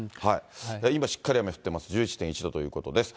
今しっかり雨降ってます、１１．１度ということです。